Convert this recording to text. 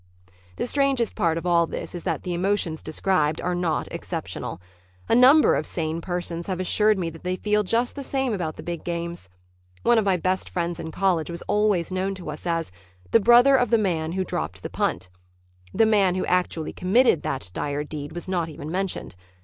The strangest part of all this is that the emotions described are not exceptional. A number of sane persons have assured me that they feel just the same about the big games. One of my best friends in college was always known to us as "the brother of the man who dropped the punt." The man who actually committed that dire deed was not even mentioned.